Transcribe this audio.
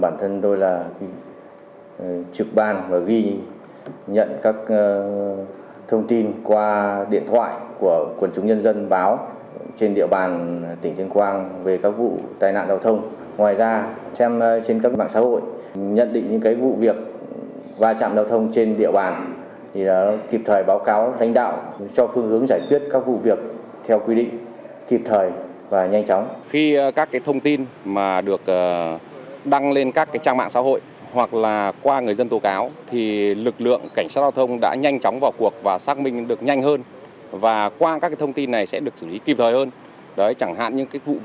một ca trực ban tại phòng cảnh sát giao thông công an tỉnh tuyên quang trung sẽ tiếp nhận các nguồn thông tin do người dân báo về diễn biến tình hình giao thông trên địa bàn